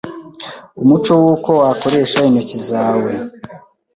umuco w'uko wakoresha intoki zawe